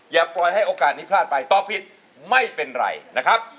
อย่าปล่อยให้โอกาสนี้พลาดไปตอบผิดไม่เป็นไรนะครับ